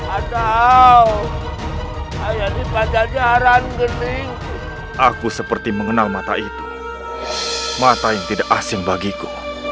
atau kayak di pajajaran gening aku seperti mengenal mata itu mata yang tidak asing bagiku